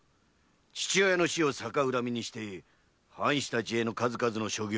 父親の死を逆恨みしての藩士たちへの数々の所業。